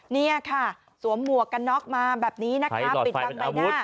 นี่ค่ะสวมหมวกกันน็อกมาแบบนี้นะคะปิดบังใบหน้า